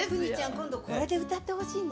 今度これで歌ってほしいね。